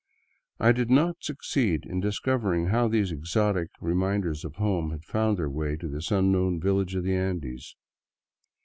I did not succeed in dis covering how these exotic reminders of home had found their way to this unknown village of the Andes.